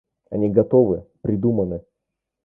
Они готовы, придуманы.